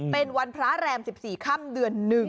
เป็นวันพระแรม๑๔ค่ำเดือน๑